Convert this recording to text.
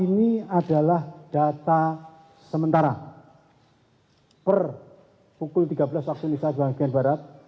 ini adalah data sementara per pukul tiga belas waktu indonesia bagian barat